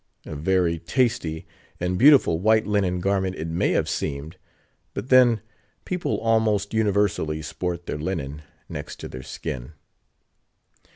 A very tasty, and beautiful white linen garment it may have seemed; but then, people almost universally sport their linen next to their skin.